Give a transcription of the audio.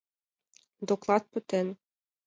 Доклад пытен.